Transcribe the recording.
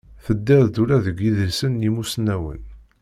Teddiḍ-d ula deg yidlisen n yimusnawen.